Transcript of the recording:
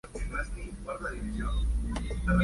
Vive en los bordes de los bosques y vegetación secundaria.